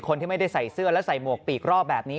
คนที่ไม่ได้ใส่เสื้อและใส่หมวกปีกรอบแบบนี้